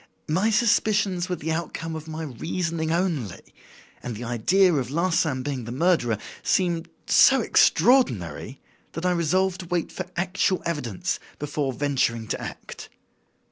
My suspicions were the outcome of my reasoning only; and the idea of Larsan being the murderer seemed so extraordinary that I resolved to wait for actual evidence before venturing to act.